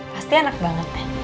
pasti enak banget